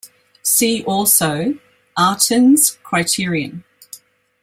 See also: Artin's criterion.